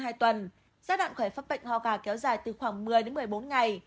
giai đoạn khởi phát bệnh hoa gà kéo dài từ khoảng một mươi một mươi bốn ngày